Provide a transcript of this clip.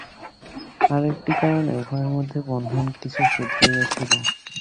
আর একটি কারণে উভয়ের মধ্যে বন্ধন কিছু সুদৃঢ় ছিল।